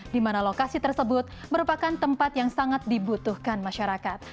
di mana lokasi tersebut merupakan tempat yang sangat dibutuhkan masyarakat